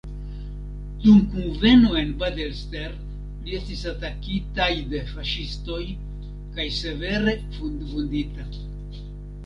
Dum kunveno en Bad Elster li estis atakitaj de faŝistoj kaj severe vundita.